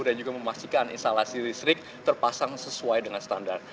juga memastikan instalasi listrik terpasang sesuai dengan standar